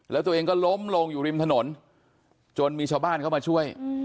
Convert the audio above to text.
แล้วตัวเองก็ล้มลงอยู่ริมถนนจนมีชาวบ้านเข้ามาช่วย